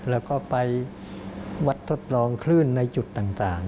แล้วก็ไปวัดทดลองคลื่นในจุดต่าง